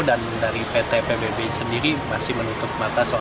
dan dari pt pbb sendiri masih menutup mata